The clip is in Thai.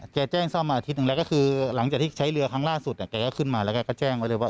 แจ้งซ่อมมาอาทิตย์หนึ่งแล้วก็คือหลังจากที่ใช้เรือครั้งล่าสุดแกก็ขึ้นมาแล้วแกก็แจ้งไว้เลยว่า